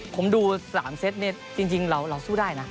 ผมดู๓เซตจริงเราสู้ได้นะ